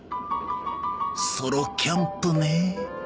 ソロキャンプねえ。